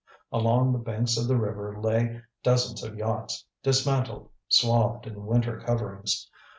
Along the banks of the river lay dozens of yachts, dismantled, swathed in winter coverings.